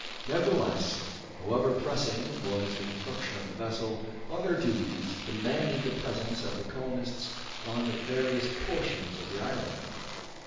Nevertheless, however pressing was the construction of the vessel, other duties demanded the presence of the colonists on various portions of the island.